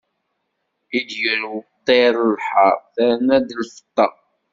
I d-yurew ṭṭir lḥeṛ, terna-d lfeṭṭa.